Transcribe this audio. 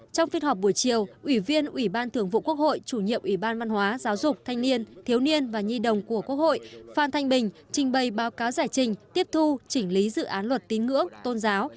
trong phiên họp buổi chiều ủy viên ủy ban thường vụ quốc hội chủ nhiệm ủy ban văn hóa giáo dục thanh niên thiếu niên và nhi đồng của quốc hội phan thanh bình trình bày báo cáo giải trình tiếp thu chỉnh lý dự án luật tín ngưỡng tôn giáo